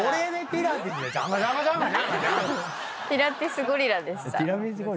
ピラティスゴリラでした。